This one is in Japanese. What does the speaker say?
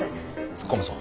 突っ込むぞ。